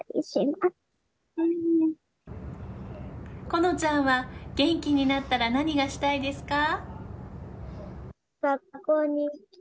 好乃ちゃんは元気になったら何がしたいですか？